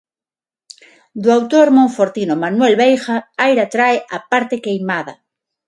Do autor monfortino Manuel Veiga, Aira trae "A parte queimada".